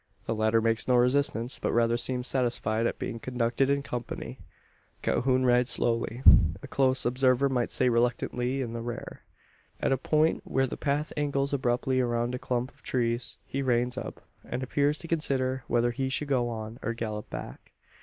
The latter makes no resistance; but rather seems satisfied at being conducted in company. Calhoun rides slowly a close observer might say reluctantly in the rear. At a point where the path angles abruptly round a clump of trees, he reins up, and appears to consider whether he should go on, or gallop back.